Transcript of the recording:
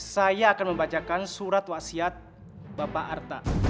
saya akan membacakan surat wasiat bapak arta